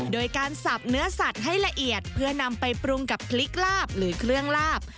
โดยการสับเนื้อสัตว์ให้ละเอียดเพื่อนำไปปรุงกับพริกลาบหรือเครื่องลาบ